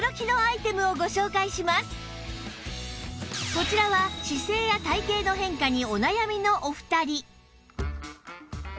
こちらは姿勢や体形の変化にお悩みのお二人